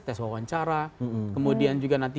tes wawancara kemudian juga nanti